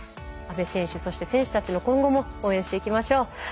阿部選手そして選手たちの今後も応援していきましょう。